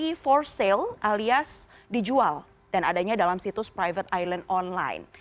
ini for sale alias dijual dan adanya dalam situs private island online